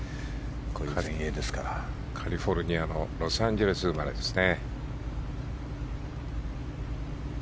カリフォルニアのロサンゼルス生まれですね。